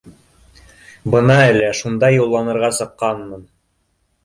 Бына әле шунда юлланырға сыҡҡанмын